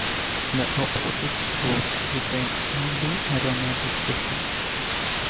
The opposite goes with an anti-aromatic system.